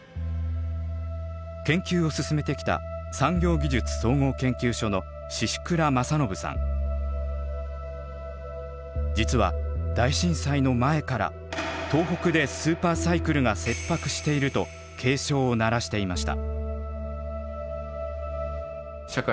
研究を進めてきた実は大震災の前から東北でスーパーサイクルが切迫していると警鐘を鳴らしていました。